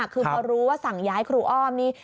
คือพอรู้ว่าสั่งย้ายครูอ้อมนี่